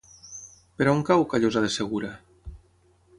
Per on cau Callosa de Segura?